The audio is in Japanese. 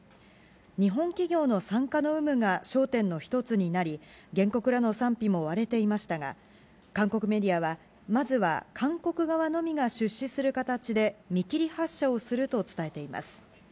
日本企業の傘下の有無が焦点の一つになり、原告らの賛否も割れていましたが、韓国メディアは、まずは韓国側のみが出資する形で、見切り発車をすると伝えています。